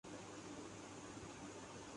اس کے ناولزیادہ ت کافی بورنگ ہوتے ہے